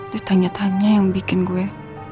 ditanya tanya yang bikin gue